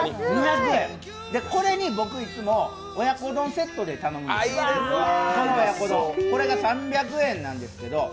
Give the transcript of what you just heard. これに僕いつも親子丼セットで頼むんですよ、これが３００円なんですけど。